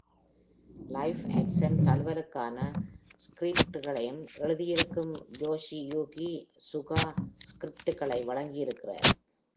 Live action தழுவலுக்கான ஸ்கிரிப்டுகளையும் எழுதி இருக்கும் யோஷியுகி சுகா ஸ்கிரிப்ட்களை வழங்கியிருக்கிறார்.